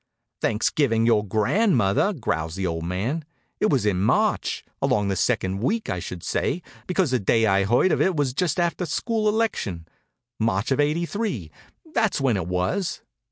"Thanksgivin' your grandmother!" growls the old man. "It was in March, along the second week, I should say, because the day I heard of it was just after school election. March of '83, that's when it was."